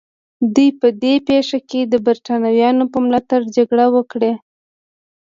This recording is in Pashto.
دوی په دې پېښه کې د برېټانویانو په ملاتړ جګړه وکړه.